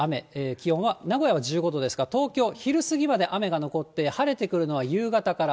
気温は名古屋は１５度ですから、東京、昼過ぎまで雨が残って、晴れてくるのは夕方から。